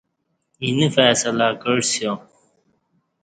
اینہ فیصلہ کعسیا